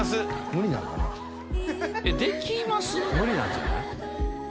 無理なんじゃない？